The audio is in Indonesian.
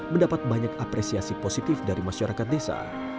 mendapat banyak apresiasi positif dari masyarakat desa